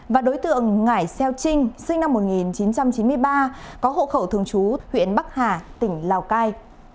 và đối tượng ngải xeo trinh sinh năm một nghìn chín trăm chín mươi ba có hộ khẩu thường trú huyện bắc hà tỉnh lào cai